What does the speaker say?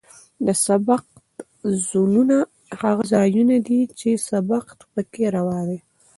د سبقت زونونه هغه ځایونه دي چې سبقت پکې روا دی